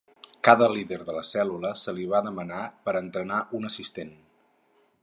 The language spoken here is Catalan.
Cada líder de la cèl·lula se li va demanar per entrenar un assistent.